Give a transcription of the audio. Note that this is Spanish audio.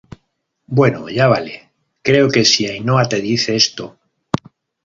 bueno, ya vale. creo que si Ainhoa te dice esto